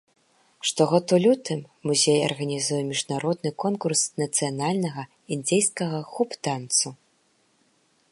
Штогод у лютым музей арганізуе міжнародны конкурс нацыянальнага індзейскага хуп-танцу.